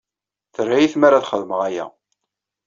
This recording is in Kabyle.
Terra-iyi tmara ad xedmeɣ aya.